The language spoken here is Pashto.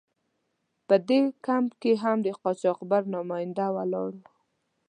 په دې کمپ کې هم د قاچاقبر نماینده ولاړ و.